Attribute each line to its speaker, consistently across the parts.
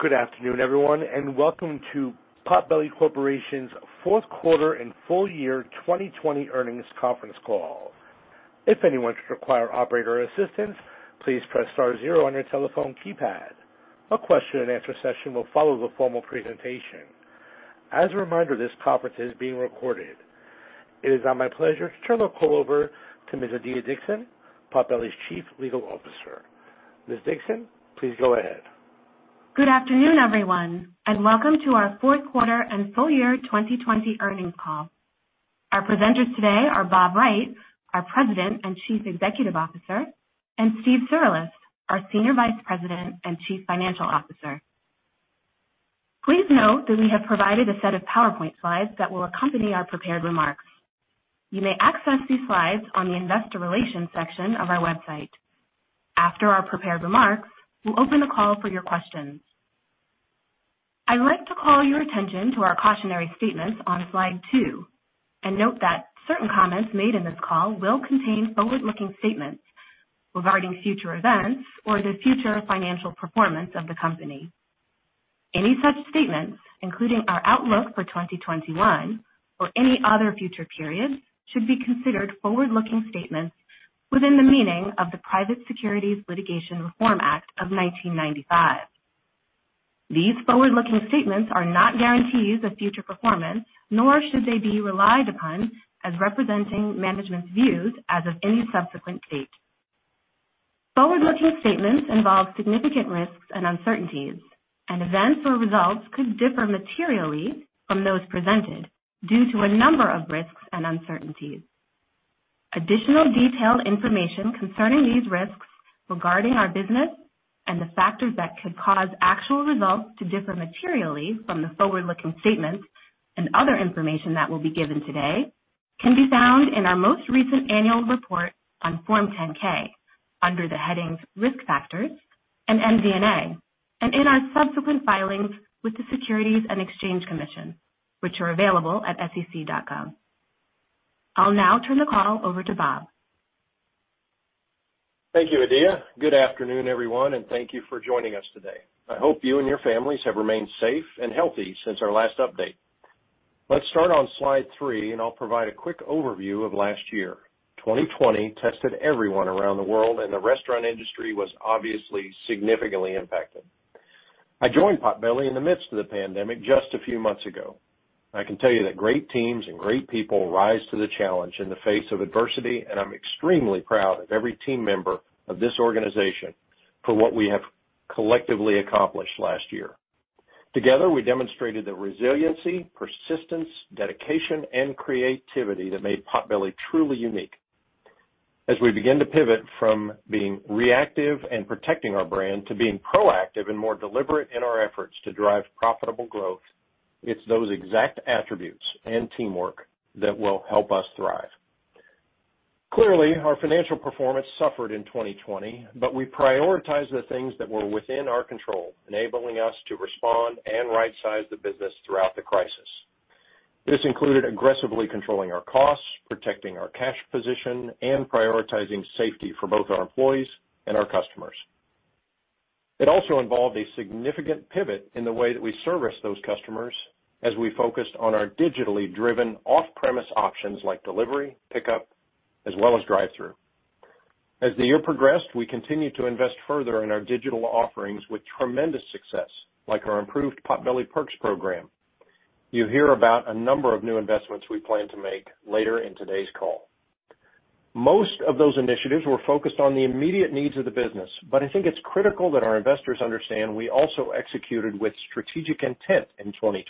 Speaker 1: Good afternoon, everyone, and welcome to Potbelly Corporation's fourth quarter and full year 2020 earnings conference call. If anyone should require operator assistance, please press star zero on your telephone keypad. A question-and-answer session will follow the formal presentation. As a reminder, this conference is being recorded. It is now my pleasure to turn the call over to Ms. Adiya Dixon, Potbelly's Chief Legal Officer. Ms. Dixon, please go ahead.
Speaker 2: Good afternoon, everyone, and welcome to our fourth quarter and full year 2020 earnings call. Our presenters today are Bob Wright, our President and Chief Executive Officer, and Steve Cirulis, our Senior Vice President and Chief Financial Officer. Please note that we have provided a set of PowerPoint slides that will accompany our prepared remarks. You may access these slides on the investor relations section of our website. After our prepared remarks, we'll open the call for your questions. I'd like to call your attention to our cautionary statements on slide two and note that certain comments made in this call will contain forward-looking statements regarding future events or the future financial performance of the company. Any such statements, including our outlook for 2021 or any other future period, should be considered forward-looking statements within the meaning of the Private Securities Litigation Reform Act of 1995. These forward-looking statements are not guarantees of future performance, nor should they be relied upon as representing management's views as of any subsequent date. Forward-looking statements involve significant risks and uncertainties, and events or results could differ materially from those presented due to a number of risks and uncertainties. Additional detailed information concerning these risks regarding our business and the factors that could cause actual results to differ materially from the forward-looking statements and other information that will be given today can be found in our most recent annual report on Form 10-K under the headings Risk Factors and MD&A, and in our subsequent filings with the Securities and Exchange Commission, which are available at sec.gov. I'll now turn the call over to Bob.
Speaker 3: Thank you, Adiya. Good afternoon, everyone, and thank you for joining us today. I hope you and your families have remained safe and healthy since our last update. Let's start on slide three, and I'll provide a quick overview of last year. 2020 tested everyone around the world, and the restaurant industry was obviously significantly impacted. I joined Potbelly in the midst of the pandemic just a few months ago. I can tell you that great teams and great people rise to the challenge in the face of adversity, and I'm extremely proud of every team member of this organization for what we have collectively accomplished last year. Together, we demonstrated the resiliency, persistence, dedication, and creativity that made Potbelly truly unique. As we begin to pivot from being reactive and protecting our brand to being proactive and more deliberate in our efforts to drive profitable growth, it's those exact attributes and teamwork that will help us thrive. Clearly, our financial performance suffered in 2020, but we prioritized the things that were within our control, enabling us to respond and right size the business throughout the crisis. This included aggressively controlling our costs, protecting our cash position, and prioritizing safety for both our employees and our customers. It also involved a significant pivot in the way that we service those customers as we focused on our digitally driven off-premise options like delivery, pickup, as well as drive-through. As the year progressed, we continued to invest further in our digital offerings with tremendous success, like our improved Potbelly Perks program. You'll hear about a number of new investments we plan to make later in today's call. Most of those initiatives were focused on the immediate needs of the business, but I think it's critical that our investors understand we also executed with strategic intent in 2020.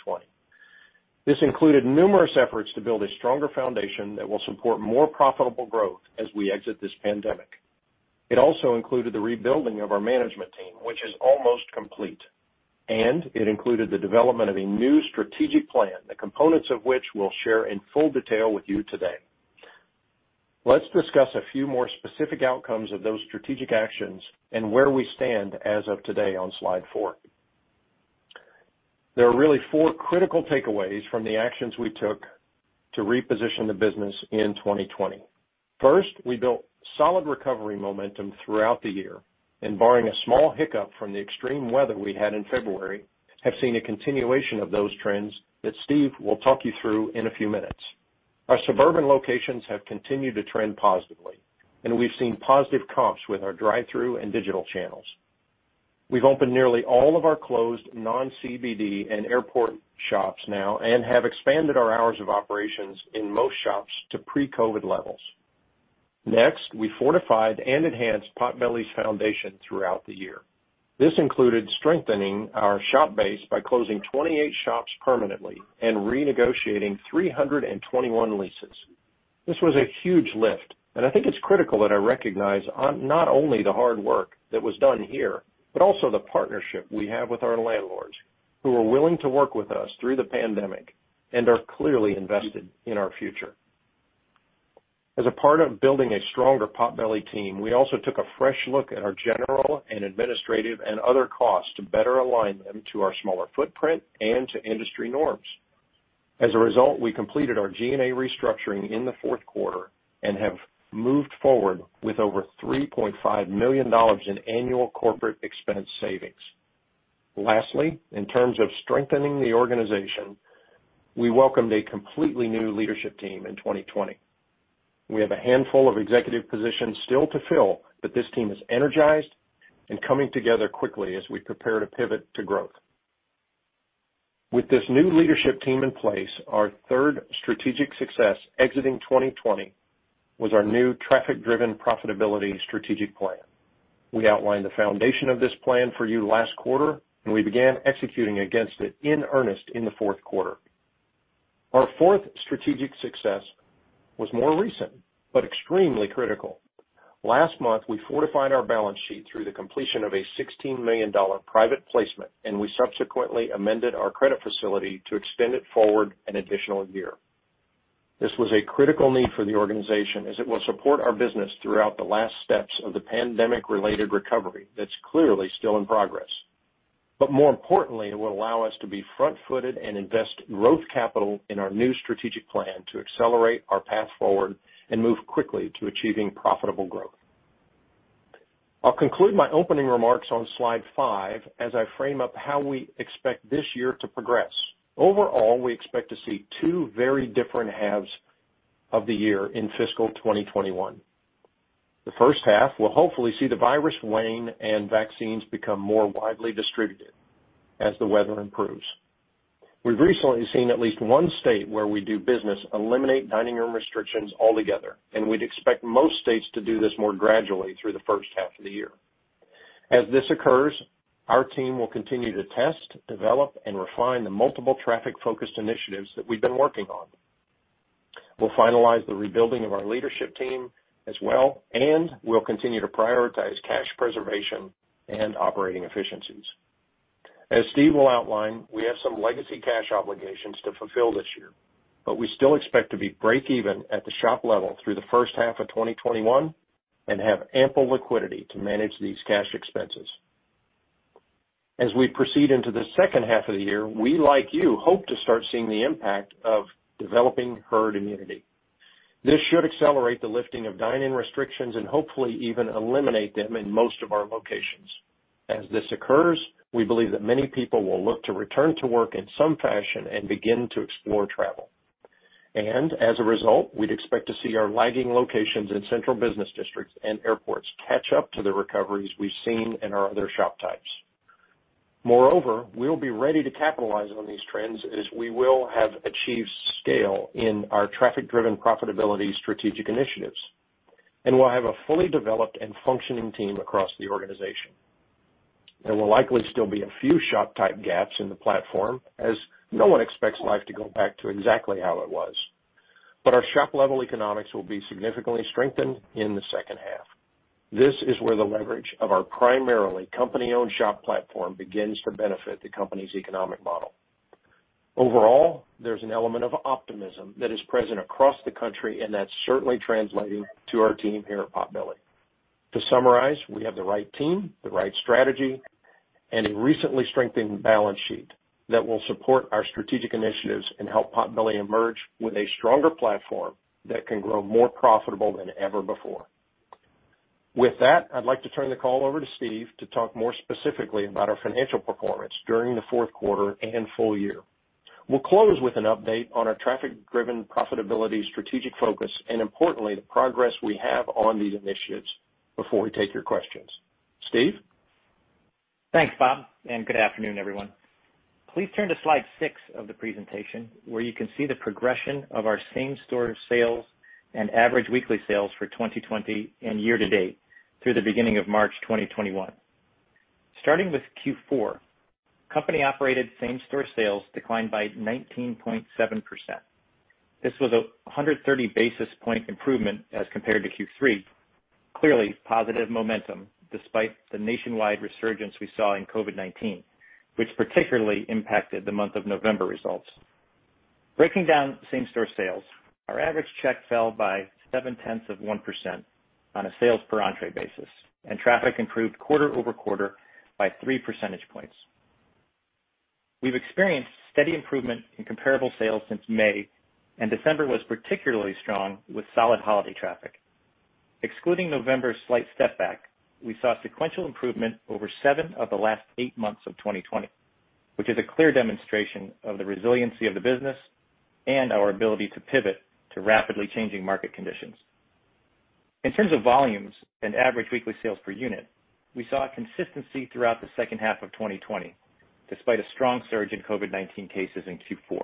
Speaker 3: This included numerous efforts to build a stronger foundation that will support more profitable growth as we exit this pandemic. It also included the rebuilding of our management team, which is almost complete, and it included the development of a new strategic plan, the components of which we'll share in full detail with you today. Let's discuss a few more specific outcomes of those strategic actions and where we stand as of today on slide four. There are really four critical takeaways from the actions we took to reposition the business in 2020. First, we built solid recovery momentum throughout the year and barring a small hiccup from the extreme weather we had in February, have seen a continuation of those trends that Steve will talk you through in a few minutes. Our suburban locations have continued to trend positively, and we've seen positive comps with our drive-through and digital channels. We've opened nearly all of our closed non-CBD and airport shops now and have expanded our hours of operations in most shops to pre-COVID levels. Next, we fortified and enhanced Potbelly's foundation throughout the year. This included strengthening our shop base by closing 28 shops permanently and renegotiating 321 leases. This was a huge lift, and I think it's critical that I recognize on not only the hard work that was done here, but also the partnership we have with our landlords who were willing to work with us through the pandemic and are clearly invested in our future. As a part of building a stronger Potbelly team, we also took a fresh look at our general and administrative and other costs to better align them to our smaller footprint and to industry norms. As a result, we completed our G&A restructuring in the fourth quarter and have moved forward with over $3.5 million in annual corporate expense savings. Lastly, in terms of strengthening the organization, we welcomed a completely new leadership team in 2020. We have a handful of executive positions still to fill, but this team is energized and coming together quickly as we prepare to pivot to growth. With this new leadership team in place, our third strategic success exiting 2020 was our new traffic-driven profitability strategic plan. We outlined the foundation of this plan for you last quarter. We began executing against it in earnest in the fourth quarter. Our fourth strategic success was more recent, extremely critical. Last month, we fortified our balance sheet through the completion of a $16 million private placement. We subsequently amended our credit facility to extend it forward an additional year. This was a critical need for the organization, as it will support our business throughout the last steps of the pandemic-related recovery that's clearly still in progress. More importantly, it will allow us to be front-footed and invest growth capital in our new strategic plan to accelerate our path forward and move quickly to achieving profitable growth. I'll conclude my opening remarks on slide five as I frame up how we expect this year to progress. Overall, we expect to see two very different halves of the year in fiscal 2021. The first half will hopefully see the virus wane and vaccines become more widely distributed as the weather improves. We've recently seen at least one state where we do business eliminate dining room restrictions altogether. We'd expect most states to do this more gradually through the first half of the year. As this occurs, our team will continue to test, develop, and refine the multiple traffic-focused initiatives that we've been working on. We'll finalize the rebuilding of our leadership team as well. We'll continue to prioritize cash preservation and operating efficiencies. As Steve will outline, we have some legacy cash obligations to fulfill this year, but we still expect to be break even at the shop level through the first half of 2021 and have ample liquidity to manage these cash expenses. As we proceed into the second half of the year, we, like you, hope to start seeing the impact of developing herd immunity. This should accelerate the lifting of dine-in restrictions and hopefully even eliminate them in most of our locations. As a result, we'd expect to see our lagging locations in central business districts and airports catch up to the recoveries we've seen in our other shop types. We'll be ready to capitalize on these trends as we will have achieved scale in our traffic-driven profitability strategic initiatives. We'll have a fully developed and functioning team across the organization. There will likely still be a few shop type gaps in the platform as no one expects life to go back to exactly how it was. Our shop level economics will be significantly strengthened in the second half. This is where the leverage of our primarily company-owned shop platform begins to benefit the company's economic model. There's an element of optimism that is present across the country, and that's certainly translating to our team here at Potbelly. To summarize, we have the right team, the right strategy, and a recently strengthened balance sheet that will support our strategic initiatives and help Potbelly emerge with a stronger platform that can grow more profitable than ever before. With that, I'd like to turn the call over to Steve to talk more specifically about our financial performance during the fourth quarter and full year. We'll close with an update on our traffic-driven profitability strategic focus, and importantly, the progress we have on these initiatives before we take your questions. Steve?
Speaker 4: Thanks, Bob. Good afternoon, everyone. Please turn to slide six of the presentation where you can see the progression of our same-store sales and average weekly sales for 2020 and year to date through the beginning of March 2021. Starting with Q4, company operated same-store sales declined by 19.7%. This was a 130 basis point improvement as compared to Q3. Clearly positive momentum despite the nationwide resurgence we saw in COVID-19, which particularly impacted the month of November results. Breaking down same-store sales, our average check fell by seven tenths of 1% on a sales per entree basis. Traffic improved quarter-over-quarter by three percentage points. We've experienced steady improvement in comparable sales since May. December was particularly strong with solid holiday traffic. Excluding November's slight step back, we saw sequential improvement over seven of the last eight months of 2020, which is a clear demonstration of the resiliency of the business and our ability to pivot to rapidly changing market conditions. In terms of volumes and average weekly sales per unit, we saw consistency throughout the second half of 2020, despite a strong surge in COVID-19 cases in Q4.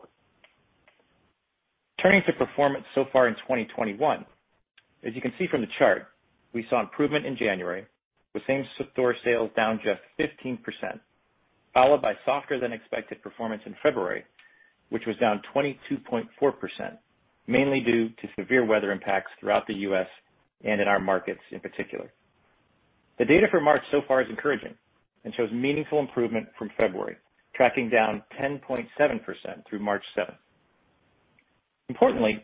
Speaker 4: Turning to performance so far in 2021. As you can see from the chart, we saw improvement in January, with same-store sales down just 15%, followed by softer than expected performance in February, which was down 22.4%, mainly due to severe weather impacts throughout the U.S. and in our markets in particular. The data for March so far is encouraging and shows meaningful improvement from February, tracking down 10.7% through March 7th. Importantly,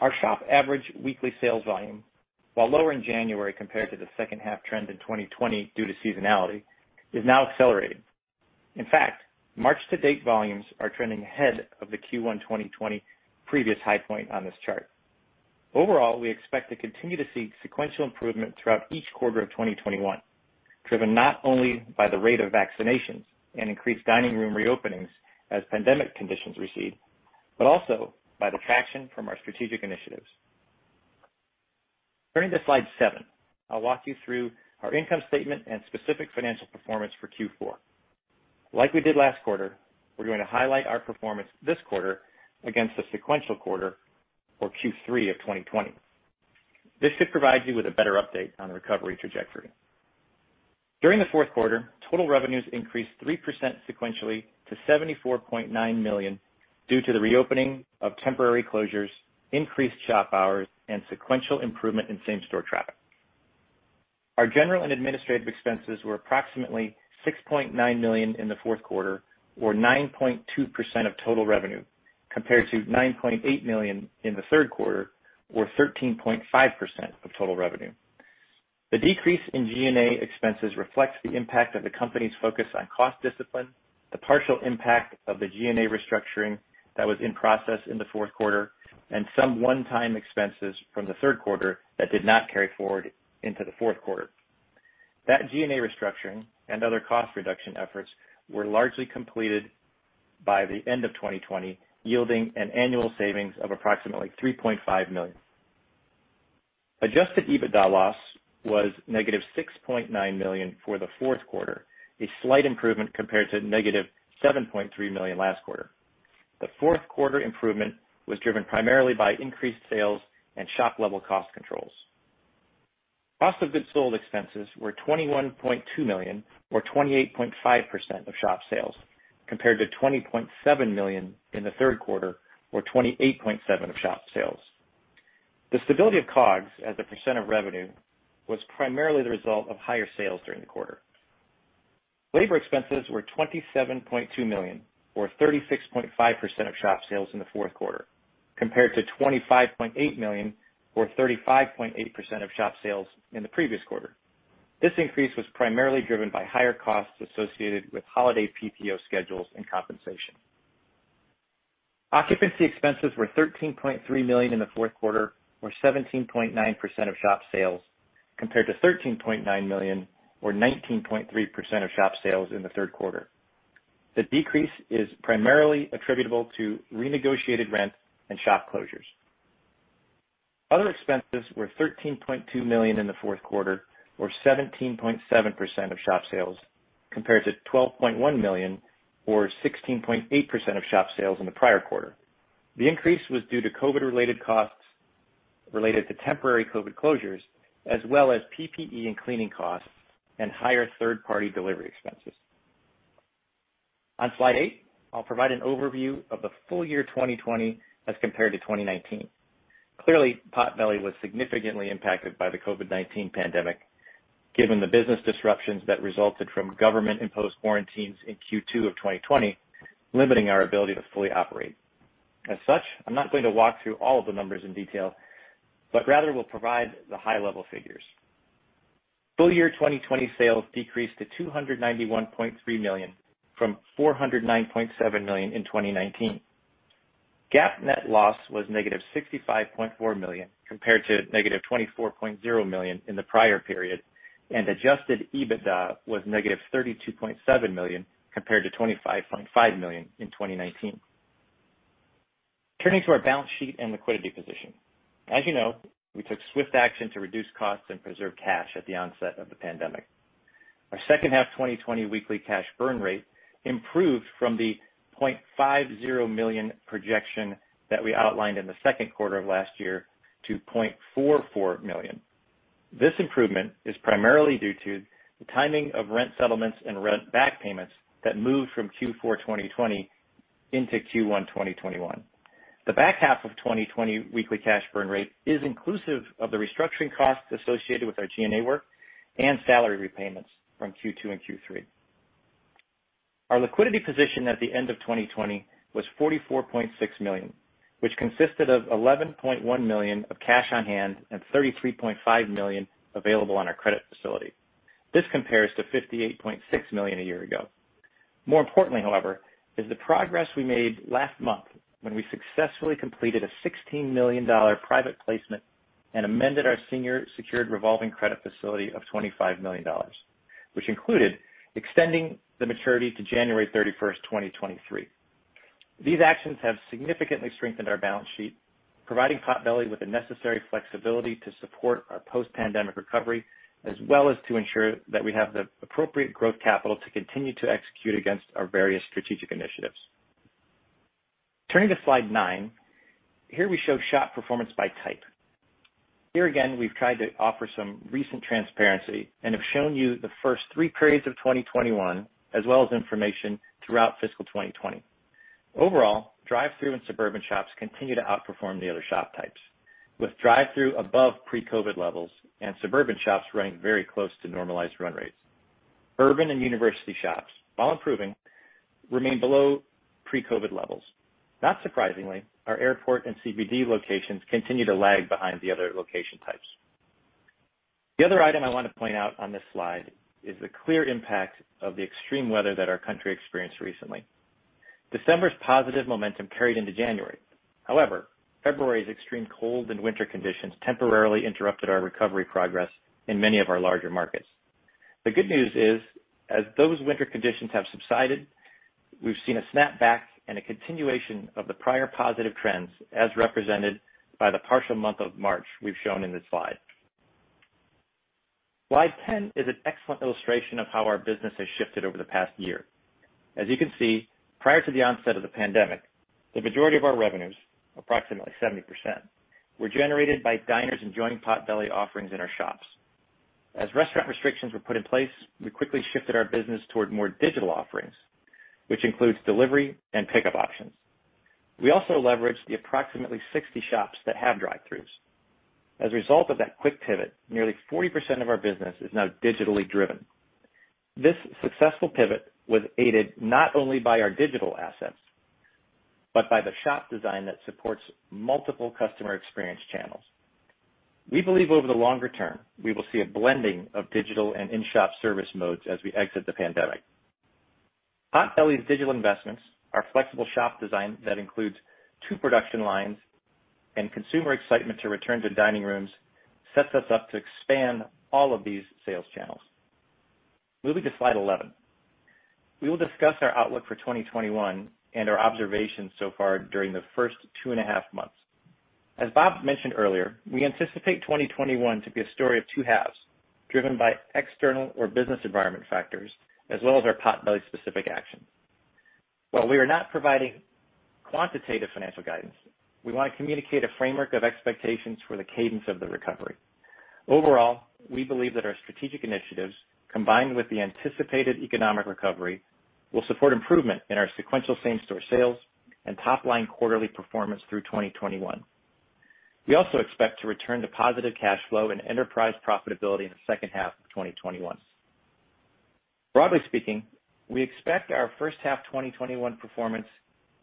Speaker 4: our shop average weekly sales volume, while lower in January compared to the second half trend in 2020 due to seasonality, is now accelerating. In fact, March to date volumes are trending ahead of the Q1 2020 previous high point on this chart. Overall, we expect to continue to see sequential improvement throughout each quarter of 2021, driven not only by the rate of vaccinations and increased dining room reopenings as pandemic conditions recede, but also by the traction from our strategic initiatives. Turning to slide seven, I'll walk you through our income statement and specific financial performance for Q4. Like we did last quarter, we're going to highlight our performance this quarter against the sequential quarter or Q3 of 2020. This should provide you with a better update on the recovery trajectory. During the fourth quarter, total revenues increased 3% sequentially to $74.9 million due to the reopening of temporary closures, increased shop hours, and sequential improvement in same-store traffic. Our general and administrative expenses were approximately $6.9 million in the fourth quarter, or 9.2% of total revenue, compared to $9.8 million in the third quarter, or 13.5% of total revenue. The decrease in G&A expenses reflects the impact of the company's focus on cost discipline, the partial impact of the G&A restructuring that was in process in the fourth quarter, and some one-time expenses from the third quarter that did not carry forward into the fourth quarter. That G&A restructuring and other cost reduction efforts were largely completed by the end of 2020, yielding an annual savings of approximately $3.5 million. Adjusted EBITDA loss was -$6.9 million for the fourth quarter, a slight improvement compared to -$7.3 million last quarter. The fourth quarter improvement was driven primarily by increased sales and shop-level cost controls. Cost of goods sold expenses were $21.2 million or 28.5% of shop sales, compared to $20.7 million in the third quarter or 28.7% of shop sales. The stability of COGS as a percent of revenue was primarily the result of higher sales during the quarter. Labor expenses were $27.2 million, or 36.5% of shop sales in the fourth quarter, compared to $25.8 million or 35.8% of shop sales in the previous quarter. This increase was primarily driven by higher costs associated with holiday PTO schedules and compensation. Occupancy expenses were $13.3 million in the fourth quarter, or 17.9% of shop sales, compared to $13.9 million or 19.3% of shop sales in the third quarter. The decrease is primarily attributable to renegotiated rents and shop closures. Other expenses were $13.2 million in the fourth quarter, or 17.7% of shop sales, compared to $12.1 million or 16.8% of shop sales in the prior quarter. The increase was due to COVID-19 related costs related to temporary COVID-19 closures, as well as PPE and cleaning costs and higher third-party delivery expenses. On slide eight, I'll provide an overview of the full year 2020 as compared to 2019. Clearly, Potbelly was significantly impacted by the COVID-19 pandemic, given the business disruptions that resulted from government-imposed quarantines in Q2 of 2020, limiting our ability to fully operate. As such, I'm not going to walk through all of the numbers in detail, but rather will provide the high level figures. Full year 2020 sales decreased to $291.3 million from $409.7 million in 2019. GAAP net loss was negative $65.4 million, compared to negative $24.0 million in the prior period, and adjusted EBITDA was negative $32.7 million, compared to $25.5 million in 2019. Turning to our balance sheet and liquidity position. As you know, we took swift action to reduce costs and preserve cash at the onset of the pandemic. Our second half 2020 weekly cash burn rate improved from the $0.50 million projection that we outlined in the second quarter of last year to $0.44 million. This improvement is primarily due to the timing of rent settlements and rent back payments that moved from Q4 2020 into Q1 2021. The back half of 2020 weekly cash burn rate is inclusive of the restructuring costs associated with our G&A work and salary repayments from Q2 and Q3. Our liquidity position at the end of 2020 was $44.6 million, which consisted of $11.1 million of cash on hand and $33.5 million available on our credit facility. This compares to $58.6 million a year ago. More importantly, however, is the progress we made last month when we successfully completed a $16 million private placement and amended our senior secured revolving credit facility of $25 million, which included extending the maturity to January 31st, 2023. These actions have significantly strengthened our balance sheet, providing Potbelly with the necessary flexibility to support our post-pandemic recovery, as well as to ensure that we have the appropriate growth capital to continue to execute against our various strategic initiatives. Turning to slide nine, here we show shop performance by type. Here again, we've tried to offer some recent transparency and have shown you the first three periods of 2021 as well as information throughout fiscal 2020. Overall, drive-thru and suburban shops continue to outperform the other shop types, with drive-thru above pre-COVID-19 levels and suburban shops running very close to normalized run rates. Urban and university shops, while improving, remain below pre-COVID-19 levels. Not surprisingly, our airport and CBD locations continue to lag behind the other location types. The other item I want to point out on this slide is the clear impact of the extreme weather that our country experienced recently. December's positive momentum carried into January. However, February's extreme cold and winter conditions temporarily interrupted our recovery progress in many of our larger markets. The good news is, as those winter conditions have subsided, we've seen a snap back and a continuation of the prior positive trends as represented by the partial month of March we've shown in this slide. Slide 10 is an excellent illustration of how our business has shifted over the past year. As you can see, prior to the onset of the pandemic, the majority of our revenues, approximately 70%, were generated by diners enjoying Potbelly offerings in our shops. As restaurant restrictions were put in place, we quickly shifted our business toward more digital offerings, which includes delivery and pickup options. We also leveraged the approximately 60 shops that have drive-throughs. As a result of that quick pivot, nearly 40% of our business is now digitally driven. This successful pivot was aided not only by our digital assets, but by the shop design that supports multiple customer experience channels. We believe over the longer term, we will see a blending of digital and in-shop service modes as we exit the pandemic. Potbelly's digital investments, our flexible shop design that includes two production lines, and consumer excitement to return to dining rooms sets us up to expand all of these sales channels. Moving to slide 11. We will discuss our outlook for 2021 and our observations so far during the first two and a half months. As Bob mentioned earlier, we anticipate 2021 to be a story of two halves, driven by external or business environment factors, as well as our Potbelly specific actions. While we are not providing quantitative financial guidance, we want to communicate a framework of expectations for the cadence of the recovery. Overall, we believe that our strategic initiatives, combined with the anticipated economic recovery, will support improvement in our sequential same-store sales and top-line quarterly performance through 2021. We also expect to return to positive cash flow and enterprise profitability in the second half of 2021. Broadly speaking, we expect our first half 2021 performance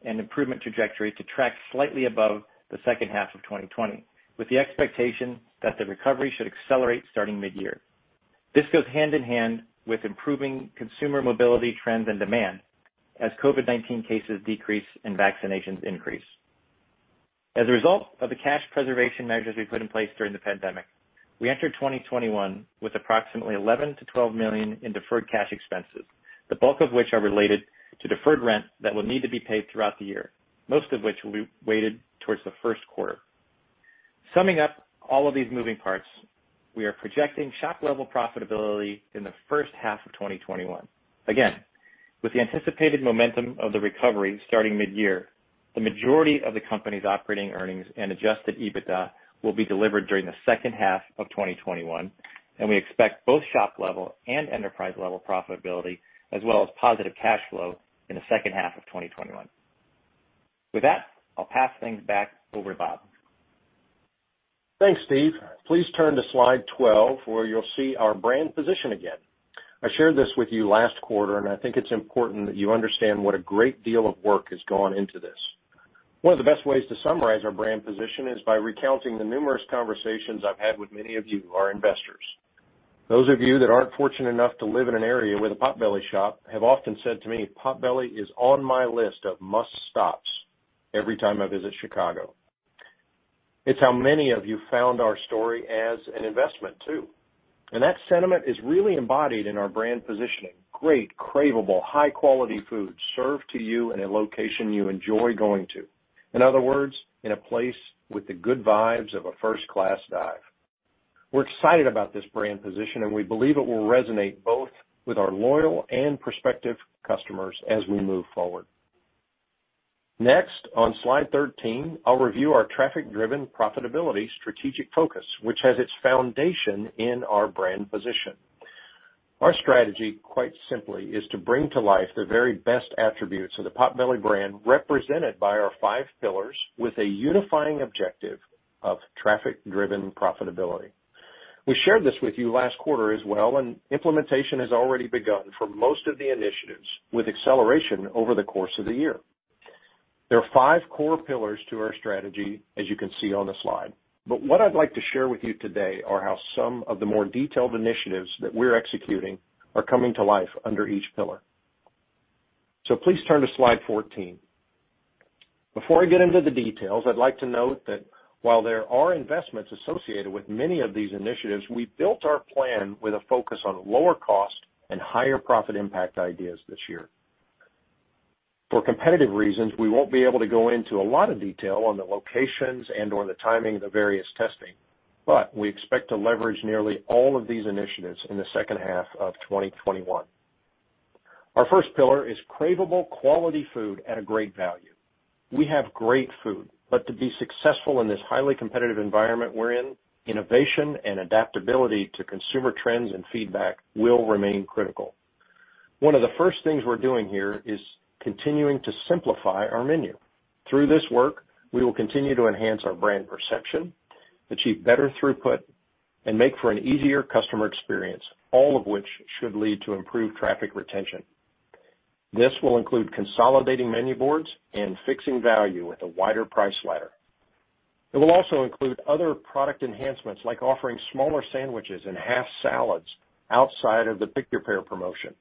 Speaker 4: and improvement trajectory to track slightly above the second half of 2020, with the expectation that the recovery should accelerate starting mid-year. This goes hand in hand with improving consumer mobility trends and demand as COVID-19 cases decrease and vaccinations increase. As a result of the cash preservation measures we put in place during the pandemic, we entered 2021 with approximately $11 million-$12 million in deferred cash expenses, the bulk of which are related to deferred rent that will need to be paid throughout the year, most of which will be weighted towards the first quarter. Summing up all of these moving parts, we are projecting shop-level profitability in the first half of 2021. Again, with the anticipated momentum of the recovery starting mid-year, the majority of the company's operating earnings and adjusted EBITDA will be delivered during the second half of 2021, and we expect both shop level and enterprise level profitability, as well as positive cash flow in the second half of 2021. With that, I'll pass things back over to Bob.
Speaker 3: Thanks, Steve. Please turn to slide 12, where you'll see our brand position again. I shared this with you last quarter, and I think it's important that you understand what a great deal of work has gone into this. One of the best ways to summarize our brand position is by recounting the numerous conversations I've had with many of you, our investors. Those of you that aren't fortunate enough to live in an area with a Potbelly shop have often said to me, "Potbelly is on my list of must-stops every time I visit Chicago." It's how many of you found our story as an investment, too. That sentiment is really embodied in our brand positioning. Great, craveable, high-quality food served to you in a location you enjoy going to. In other words, in a place with the good vibes of a first-class dive. We're excited about this brand position, and we believe it will resonate both with our loyal and prospective customers as we move forward. Next, on slide 13, I'll review our traffic-driven profitability strategic focus, which has its foundation in our brand position. Our strategy, quite simply, is to bring to life the very best attributes of the Potbelly brand, represented by our five pillars with a unifying objective of traffic-driven profitability. We shared this with you last quarter as well. Implementation has already begun for most of the initiatives with acceleration over the course of the year. There are five core pillars to our strategy, as you can see on the slide. What I'd like to share with you today are how some of the more detailed initiatives that we're executing are coming to life under each pillar. Please turn to slide 14. Before I get into the details, I'd like to note that while there are investments associated with many of these initiatives, we built our plan with a focus on lower cost and higher profit impact ideas this year. For competitive reasons, we won't be able to go into a lot of detail on the locations and/or the timing of the various testing, but we expect to leverage nearly all of these initiatives in the second half of 2021. Our first pillar is craveable quality food at a great value. We have great food, but to be successful in this highly competitive environment we're in, innovation and adaptability to consumer trends and feedback will remain critical. One of the first things we're doing here is continuing to simplify our menu. Through this work, we will continue to enhance our brand perception, achieve better throughput, and make for an easier customer experience, all of which should lead to improved traffic retention. This will include consolidating menu boards and fixing value with a wider price ladder. It will also include other product enhancements, like offering smaller sandwiches and half salads outside of the Pick Your Pair promotion.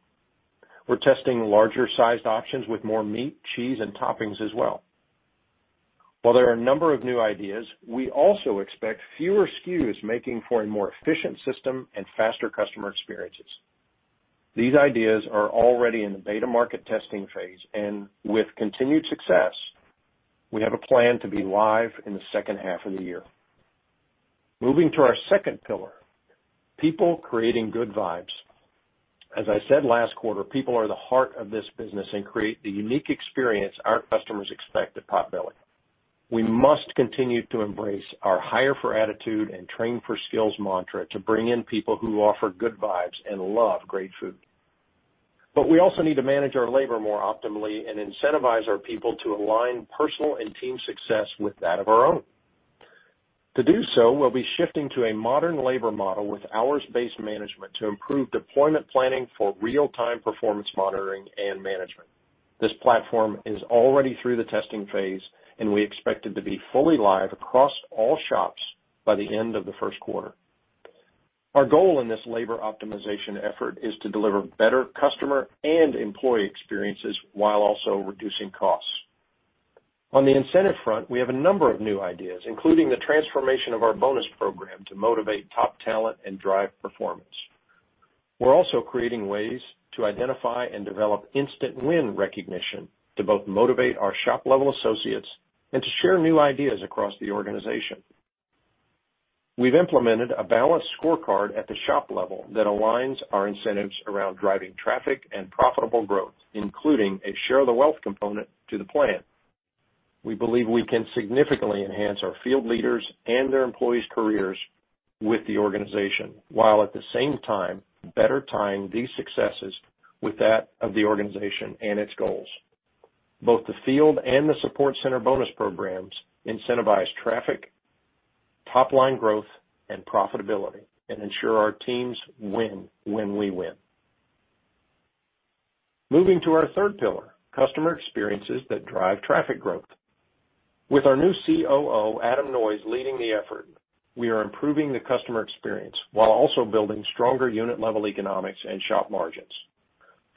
Speaker 3: We're testing larger sized options with more meat, cheese, and toppings as well. While there are a number of new ideas, we also expect fewer SKUs, making for a more efficient system and faster customer experiences. These ideas are already in the beta market testing phase, and with continued success, we have a plan to be live in the second half of the year. Moving to our second pillar, people creating good vibes. As I said last quarter, people are the heart of this business and create the unique experience our customers expect at Potbelly. We must continue to embrace our hire for attitude and train for skills mantra to bring in people who offer good vibes and love great food. We also need to manage our labor more optimally and incentivize our people to align personal and team success with that of our own. To do so, we'll be shifting to a modern labor model with hours-based management to improve deployment planning for real-time performance monitoring and management. This platform is already through the testing phase, and we expect it to be fully live across all shops by the end of the first quarter. Our goal in this labor optimization effort is to deliver better customer and employee experiences while also reducing costs. On the incentive front, we have a number of new ideas, including the transformation of our bonus program to motivate top talent and drive performance. We're also creating ways to identify and develop instant win recognition to both motivate our shop-level associates and to share new ideas across the organization. We've implemented a balanced scorecard at the shop level that aligns our incentives around driving traffic and profitable growth, including a share the wealth component to the plan. We believe we can significantly enhance our field leaders and their employees' careers with the organization, while at the same time, better tying these successes with that of the organization and its goals. Both the field and the support center bonus programs incentivize traffic, top-line growth, and profitability, and ensure our teams win when we win. Moving to our third pillar, customer experiences that drive traffic growth. With our new COO, Adam Noyes, leading the effort, we are improving the customer experience while also building stronger unit level economics and shop margins.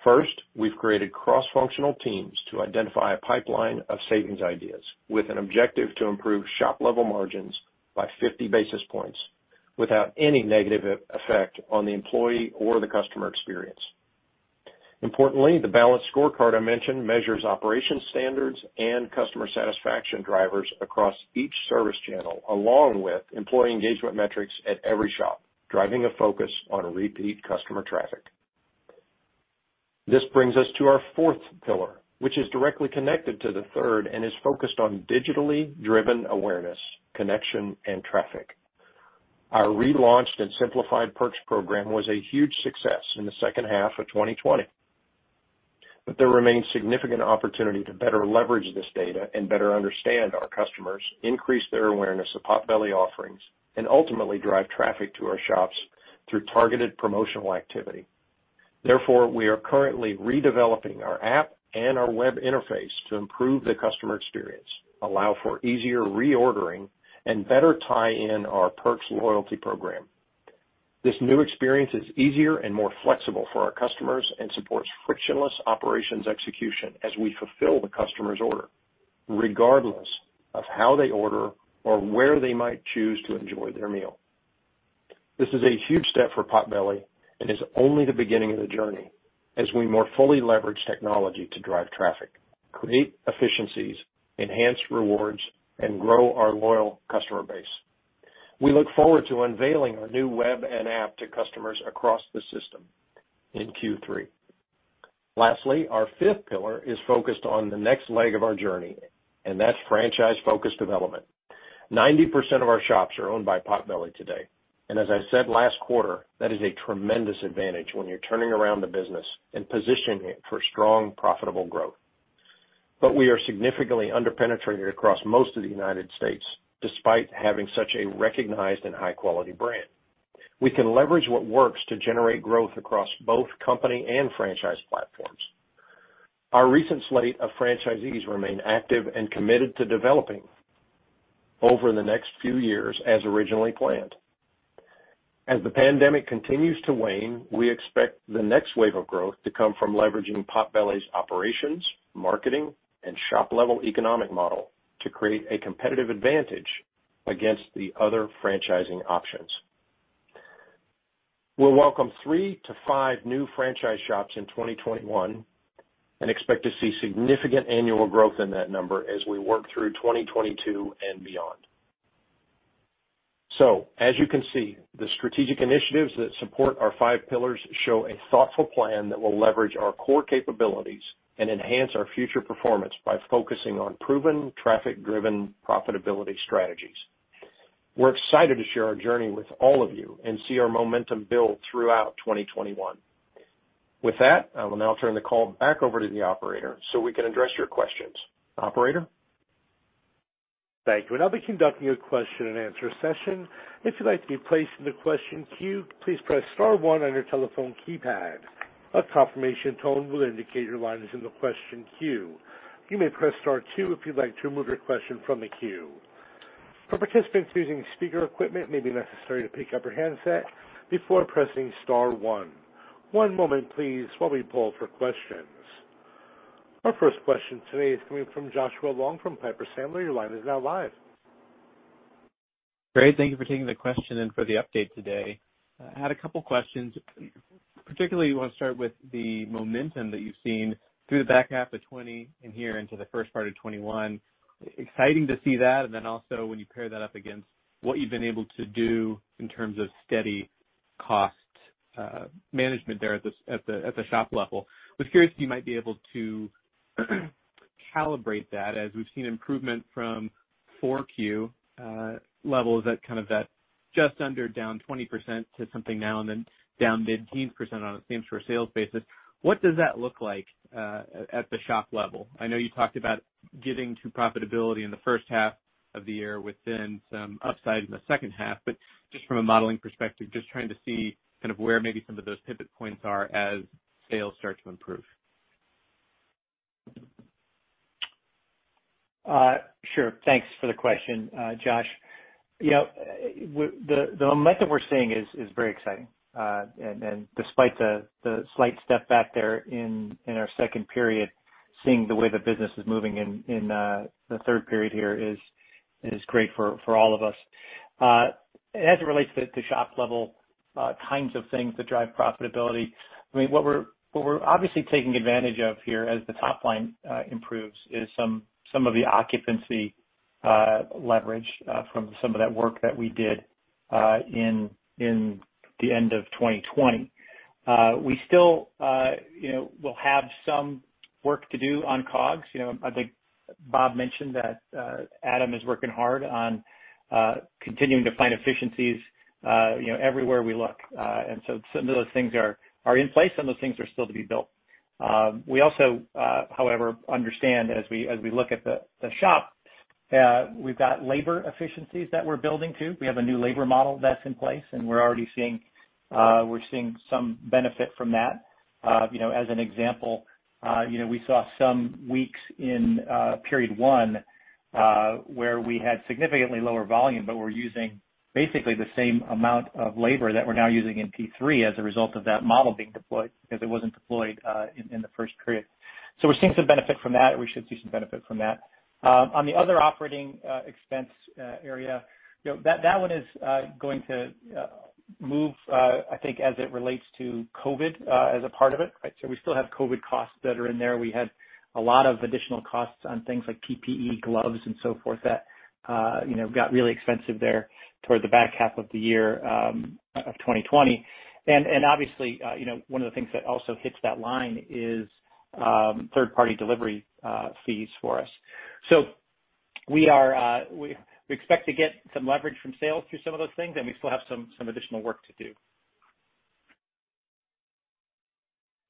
Speaker 3: First, we've created cross-functional teams to identify a pipeline of savings ideas with an objective to improve shop-level margins by 50 basis points without any negative effect on the employee or the customer experience. Importantly, the balanced scorecard I mentioned measures operation standards and customer satisfaction drivers across each service channel, along with employee engagement metrics at every shop, driving a focus on repeat customer traffic. This brings us to our fourth pillar, which is directly connected to the third and is focused on digitally driven awareness, connection, and traffic. Our relaunched and simplified Potbelly Perks program was a huge success in the second half of 2020. There remains significant opportunity to better leverage this data and better understand our customers, increase their awareness of Potbelly offerings, and ultimately drive traffic to our shops through targeted promotional activity. Therefore, we are currently redeveloping our app and our web interface to improve the customer experience, allow for easier reordering, and better tie in our perks loyalty program. This new experience is easier and more flexible for our customers and supports frictionless operations execution as we fulfill the customer's order, regardless of how they order or where they might choose to enjoy their meal. This is a huge step for Potbelly and is only the beginning of the journey as we more fully leverage technology to drive traffic, create efficiencies, enhance rewards, and grow our loyal customer base. We look forward to unveiling our new web and app to customers across the system in Q3. Lastly, our fifth pillar is focused on the next leg of our journey, and that's franchise focus development. 90% of our shops are owned by Potbelly today, and as I said last quarter, that is a tremendous advantage when you're turning around a business and positioning it for strong, profitable growth. We are significantly under-penetrated across most of the United States, despite having such a recognized and high-quality brand. We can leverage what works to generate growth across both company and franchise platforms. Our recent slate of franchisees remain active and committed to developing over the next few years as originally planned. As the pandemic continues to wane, we expect the next wave of growth to come from leveraging Potbelly's operations, marketing, and shop-level economic model to create a competitive advantage against the other franchising options. We'll welcome three to five new franchise shops in 2021 and expect to see significant annual growth in that number as we work through 2022 and beyond. As you can see, the strategic initiatives that support our five pillars show a thoughtful plan that will leverage our core capabilities and enhance our future performance by focusing on proven traffic-driven profitability strategies. We're excited to share our journey with all of you and see our momentum build throughout 2021. With that, I will now turn the call back over to the operator so we can address your questions. Operator?
Speaker 1: Thank you. I'll be conducting a question-and-answer session. If you'd like to be placed in the question queue, please press star 1 on your telephone keypad. A confirmation tone will indicate your line is in the question queue. You may press star two if you'd like to remove your question from the queue. For participants using speaker equipment, it may be necessary to pick up your handset before pressing star one. One moment please while we poll for questions. Our first question today is coming from Joshua Long from Piper Sandler. Your line is now live.
Speaker 5: Great. Thank you for taking the question and for the update today. I had a couple questions. Particularly, want to start with the momentum that you've seen through the back half of 2020 and here into the first part of 2021. Exciting to see that, and then also when you pair that up against what you've been able to do in terms of steady cost management there at the shop level. Was curious if you might be able to calibrate that as we've seen improvement from 4Q levels, that kind of just under down 20% to something now and then down mid-teens percent on a same store sales basis. What does that look like at the shop level? I know you talked about getting to profitability in the first half of the year within some upside in the second half, but just from a modeling perspective, just trying to see kind of where maybe some of those pivot points are as sales start to improve.
Speaker 4: Sure. Thanks for the question, Josh. The momentum we're seeing is very exciting. Despite the slight step back there in our second period, seeing the way the business is moving in the third period here is great for all of us. As it relates to shop level kinds of things that drive profitability, what we're obviously taking advantage of here as the top line improves is some of the occupancy leverage from some of that work that we did in the end of 2020. We still will have some work to do on COGS. I think Bob mentioned that Adam is working hard on continuing to find efficiencies everywhere we look. Some of those things are in place. Some of those things are still to be built. We also, however, understand as we look at the shop, we've got labor efficiencies that we're building, too. We have a new labor model that's in place, and we're already seeing some benefit from that. As an example, we saw some weeks in period one where we had significantly lower volume, but were using basically the same amount of labor that we're now using in P3 as a result of that model being deployed, because it wasn't deployed in the first period. We're seeing some benefit from that. We should see some benefit from that. On the other operating expense area, that one is going to move, I think, as it relates to COVID as a part of it, right? We still have COVID costs that are in there. We had a lot of additional costs on things like PPE, gloves, and so forth that got really expensive there toward the back half of the year of 2020. Obviously, one of the things that also hits that line is third-party delivery fees for us. We expect to get some leverage from sales through some of those things, and we still have some additional work to do.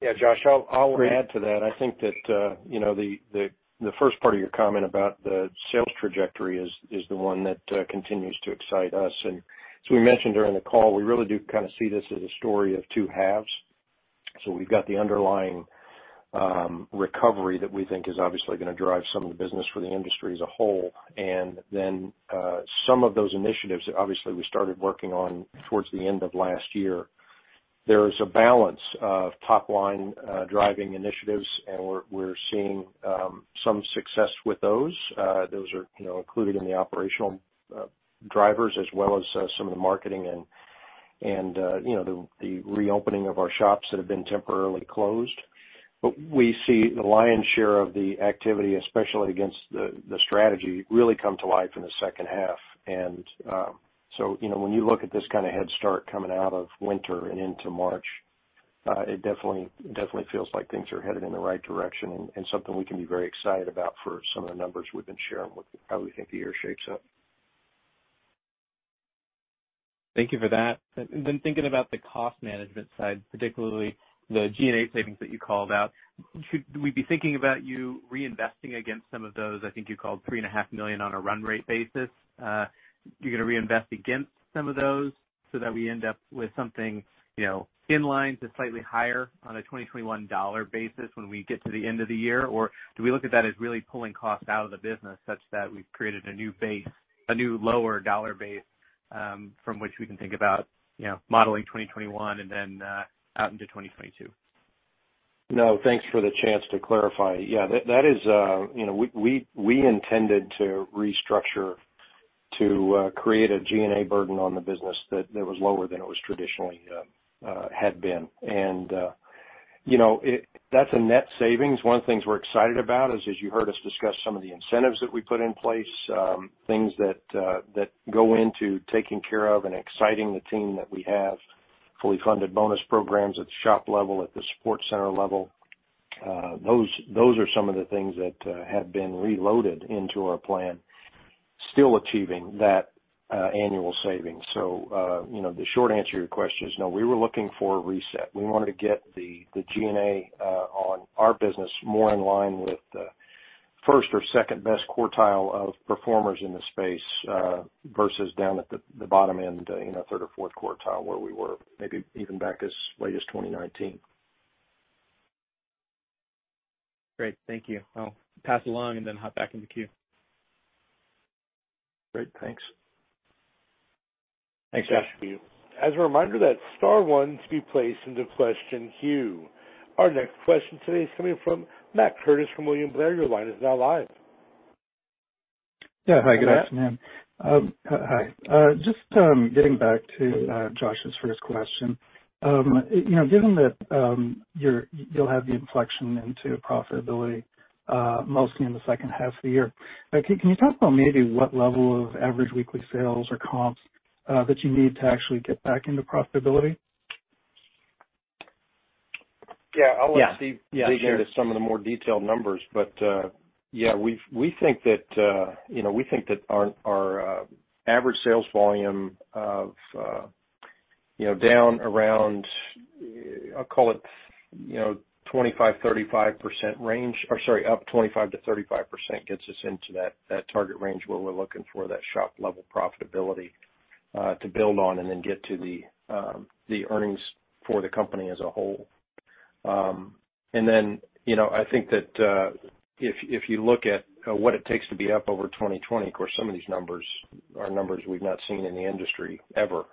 Speaker 3: Yeah, Josh, I'll add to that. I think that the first part of your comment about the sales trajectory is the one that continues to excite us. As we mentioned during the call, we really do kind of see this as a story of two halves. We've got the underlying recovery that we think is obviously going to drive some of the business for the industry as a whole, and then some of those initiatives that obviously we started working on towards the end of last year. There is a balance of top-line driving initiatives, we're seeing some success with those. Those are included in the operational drivers as well as some of the marketing and the reopening of our shops that have been temporarily closed. We see the lion's share of the activity, especially against the strategy, really come to life in the second half. When you look at this kind of head start coming out of winter and into March, it definitely feels like things are headed in the right direction and something we can be very excited about for some of the numbers we've been sharing with how we think the year shapes up.
Speaker 5: Thank you for that. Thinking about the cost management side, particularly the G&A savings that you called out, should we be thinking about you reinvesting against some of those, I think you called $3.5 million on a run rate basis, you're going to reinvest against some of those so that we end up with something in line to slightly higher on a 2021 dollar basis when we get to the end of the year? Do we look at that as really pulling costs out of the business such that we've created a new base, a new lower dollar base from which we can think about modeling 2021 and then out into 2022?
Speaker 3: Thanks for the chance to clarify. We intended to restructure to create a G&A burden on the business that was lower than it was traditionally had been. That's a net savings. One of the things we're excited about is, as you heard us discuss some of the incentives that we put in place, things that go into taking care of and exciting the team that we have. Fully funded bonus programs at the shop level, at the support center level. Those are some of the things that have been reloaded into our plan, still achieving that annual savings. The short answer to your question is no, we were looking for a reset. We wanted to get the G&A on our business more in line with the first or second best quartile of performers in the space versus down at the bottom end, third or fourth quartile where we were, maybe even back as late as 2019.
Speaker 5: Great. Thank you. I'll pass along and then hop back in the queue.
Speaker 3: Great. Thanks.
Speaker 4: Thanks, Josh.
Speaker 1: As a reminder, that's star one to be placed into question queue. Our next question today is coming from Matt Curtis from William Blair. Your line is now live.
Speaker 6: Yeah. Hi, good afternoon.
Speaker 3: Hi, Matt.
Speaker 6: Hi. Just getting back to Josh's first question. Given that you'll have the inflection into profitability mostly in the second half of the year, can you talk about maybe what level of average weekly sales or comps that you need to actually get back into profitability?
Speaker 3: Yeah, I'll see-
Speaker 4: Yeah.
Speaker 3: -dig into some of the more detailed numbers. Yeah, we think that our average sales volume of down around, I'll call it 25%-35% range, or sorry, up 25%-35% gets us into that target range where we're looking for that shop level profitability to build on and then get to the earnings for the company as a whole. Then, I think that if you look at what it takes to be up over 2020, of course, some of these numbers are numbers we've not seen in the industry ever.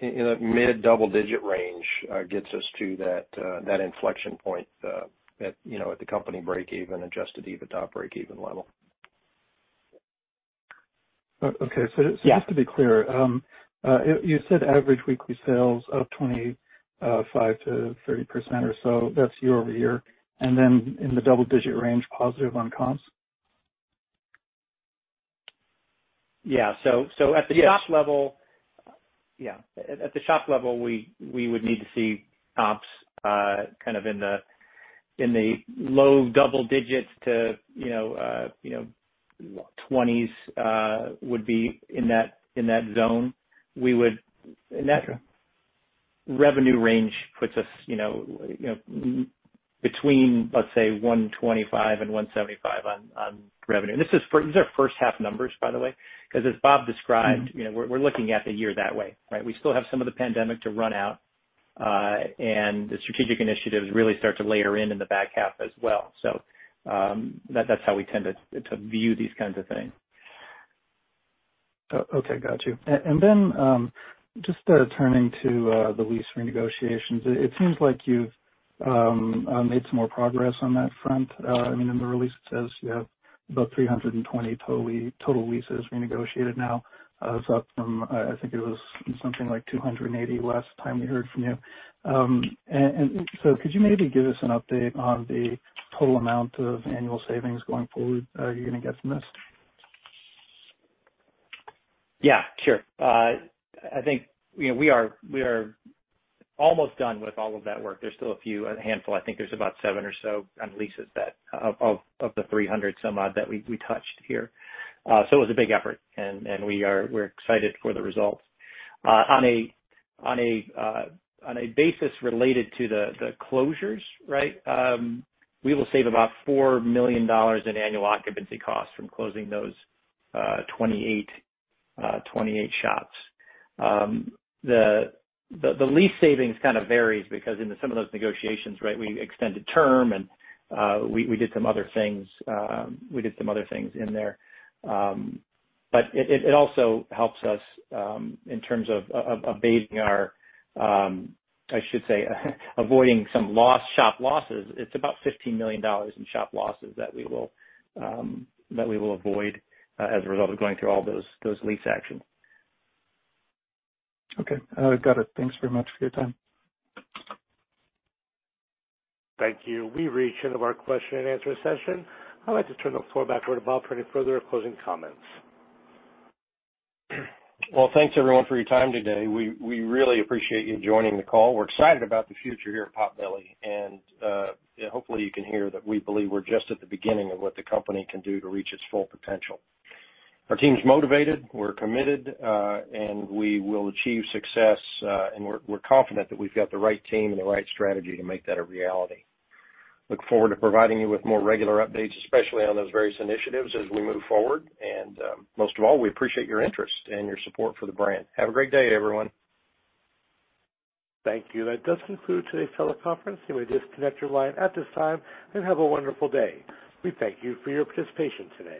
Speaker 3: In the mid-double digit range gets us to that inflection point at the company breakeven, adjusted EBITDA breakeven level.
Speaker 6: Okay. Just to be clear, you said average weekly sales up 25%-30% or so. That's year-over-year. Then in the double digit range, positive on comps?
Speaker 4: Yeah. At the shop level, we would need to see comps kind of in the low double digits to twenties would be in that zone.
Speaker 6: Got you.
Speaker 4: That revenue range puts us between, let's say, $125 and $175 on revenue. These are first half numbers, by the way, because as Bob described, we're looking at the year that way, right? We still have some of the pandemic to run out, and the strategic initiatives really start to layer in in the back half as well. That's how we tend to view these kinds of things.
Speaker 6: Okay. Got you. Just turning to the lease renegotiations. It seems like you've made some more progress on that front. In the release, it says you have about 320 total leases renegotiated now. That's up from, I think it was something like 280 last time we heard from you. Could you maybe give us an update on the total amount of annual savings going forward you're going to get from this?
Speaker 4: Yeah, sure. I think we are almost done with all of that work. There's still a few, a handful, I think there's about seven or so leases of the 300 some odd that we touched here. It was a big effort, and we're excited for the results. On a basis related to the closures, we will save about $4 million in annual occupancy costs from closing those 28 shops. The lease savings kind of varies because in some of those negotiations, we extended term, and we did some other things in there. It also helps us in terms of, I should say, avoiding some shop losses. It's about $15 million in shop losses that we will avoid as a result of going through all those lease actions.
Speaker 6: Okay, got it. Thanks very much for your time.
Speaker 1: Thank you. We've reached the end of our question and answer session. I'd like to turn the floor back over to Bob for any further closing comments.
Speaker 3: Well, thanks everyone for your time today. We really appreciate you joining the call. We're excited about the future here at Potbelly, and hopefully you can hear that we believe we're just at the beginning of what the company can do to reach its full potential. Our team's motivated, we're committed, and we will achieve success, and we're confident that we've got the right team and the right strategy to make that a reality. We look forward to providing you with more regular updates, especially on those various initiatives as we move forward. Most of all, we appreciate your interest and your support for the brand. Have a great day, everyone.
Speaker 1: Thank you. That does conclude today's teleconference. You may disconnect your line at this time, and have a wonderful day. We thank you for your participation today.